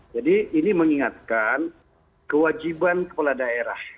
jadi ini mengingatkan kewajiban kepala daerah